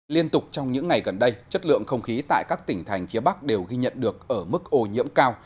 liên tục trong những ngày gần đây chất lượng không khí tại các tỉnh thành phía bắc đều ghi nhận được ở mức ô nhiễm cao